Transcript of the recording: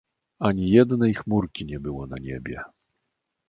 "Ani jednej chmurki nie było na niebie."